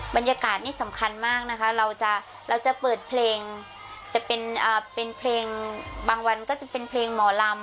บรรยากาศนี่สำคัญมากนะคะเราจะเปิดเพลงแต่เป็นเพลงบางวันก็จะเป็นเพลงหมอลำ